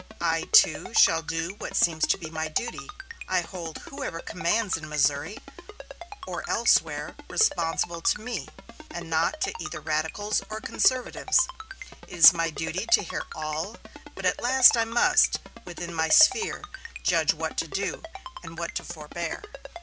I, too, shall do what seems to be my duty. I hold whoever commands in Missouri, or elsewhere, responsible to me, and not to either radicals or conservatives. It is my duty to hear all; but at last I must, within my sphere, judge what to do and what to forbear."